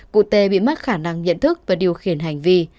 cụ tê bị mất khả năng nhận thức và điều khiển hành vi